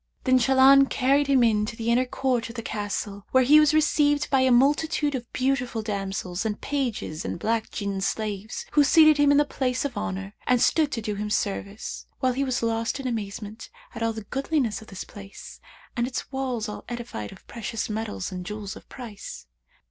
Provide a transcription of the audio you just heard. Then Shahlan carried him into the inner court of the Castle, where he was received by a multitude of beautiful damsels and pages and black Jinn slaves, who seated him in the place of honour and stood to do him service, whilst he was lost in amazement at the goodliness of the place, and its walls all edified of precious metals and jewels of price.